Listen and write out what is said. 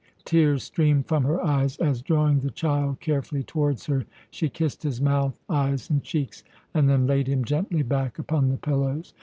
Tears streamed from her eyes as, drawing the child carefully towards her, she kissed his mouth, eyes, and cheeks, and then laid him gently back upon the pillows.